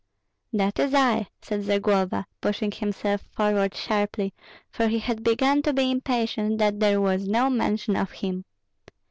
"That is I!" said Zagloba, pushing himself forward sharply, for he had begun to be impatient that there was no mention of him.